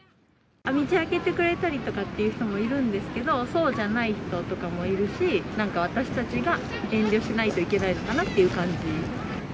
道あけてくれたりとかっていう人もいるんですけど、そうじゃない人とかもいるし、なんか私たちが遠慮しないといけないのかなっていう感じ。